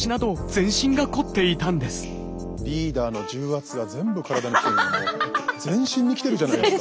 全身に来てるじゃないですか。